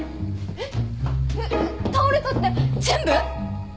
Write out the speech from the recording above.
えっえっ倒れたって全部！？